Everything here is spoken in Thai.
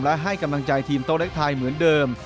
และให้กำลังใจทีมโต๊ะเล็กไทยเหมือนเดิม